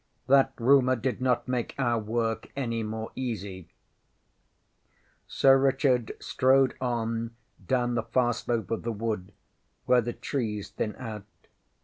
That rumour did not make our work any more easy. ŌĆÖ Sir Richard strode on down the far slope of the wood, where the trees thin out.